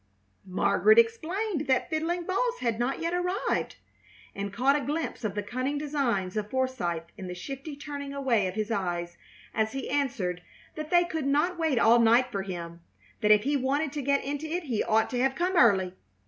Margaret explained that Fiddling Boss had not yet arrived, and caught a glimpse of the cunning designs of Forsythe in the shifty turning away of his eyes as he answered that they could not wait all night for him; that if he wanted to get into it he ought to have come early.